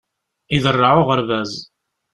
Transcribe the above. Iderreɛ uɣerbaz.